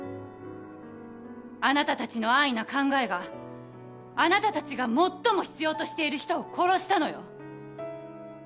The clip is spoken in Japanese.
あなたたちの安易な考えがあなたたちが最も必要としている人を殺したのよ。